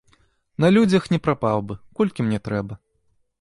На людзях не прапаў бы, колькі мне трэба.